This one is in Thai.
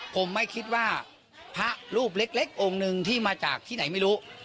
ผมไม่คิดว่าพระรูปเล็กองค์หนึ่งที่มาจากที่ไหนไม่รู้